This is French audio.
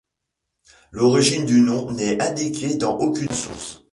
L'origine du nom n'est indiquée dans aucune source.